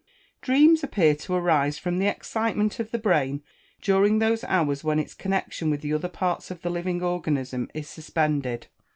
_ Dreams appear to arise _from the excitement of the brain during those hours when its connection with the other parts of the living organism is suspended_.